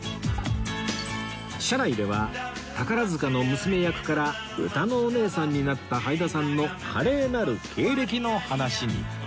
車内では宝塚の娘役からうたのおねえさんになったはいださんの華麗なる経歴の話に